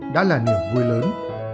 đã là nửa vui lớn